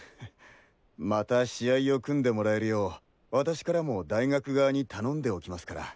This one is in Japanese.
また試合を組んでもらえるよう私からも大学側に頼んでおきますから。